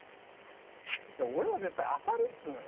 俺は絶対当たるっつうのよ。